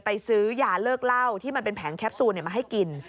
ซื้อยาเลิกเหล้าที่มันเป็นแผงแคปซูลมาให้กิน